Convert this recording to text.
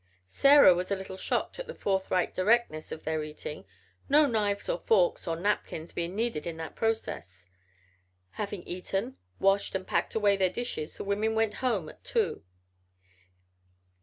Sarah was a little shocked at the forthright directness of their eating, no knives or forks or napkins being needed in that process. Having eaten, washed and packed away their dishes the women went home at two.